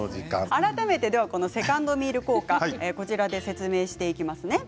改めてではこのセカンドミール効果こちらで説明していきますね。